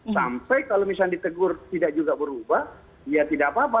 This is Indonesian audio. sampai kalau misalnya ditegur tidak juga berubah ya tidak apa apa